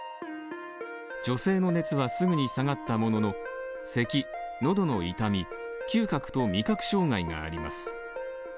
女性の熱はすぐに下がったものの、咳、喉の痛み、嗅覚と味覚障害があります。